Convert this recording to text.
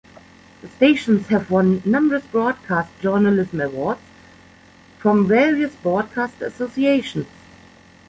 The stations have won numerous broadcast journalism awards from various broadcaster associations.